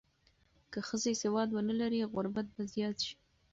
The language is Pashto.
که ښځې سواد ونه لري، غربت به زیات شي.